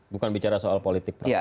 bukan bicara soal politik pak